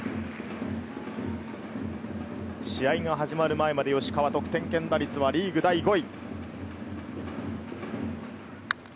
試合が始まる前まで吉川の得点圏打率はリーグ第５位。